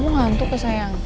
kamu ngantuk ya sayang